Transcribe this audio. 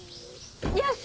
よし！